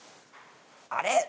「あれ？